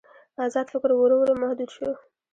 ازاد فکر ورو ورو محدود شو.